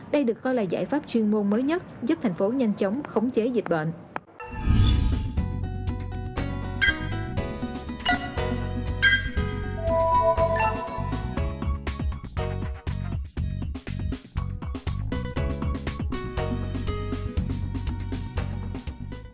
đây được coi là giải pháp chuyên môn mới nhất giúp thành phố nhanh chóng khống chế dịch bệnh